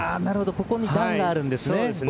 ここに段があるんですね。